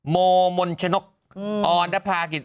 โมมนชนกอ่อนรับภาคิด